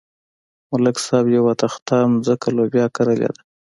ملک صاحب یوه تخته ځمکه لوبیا کرلې ده.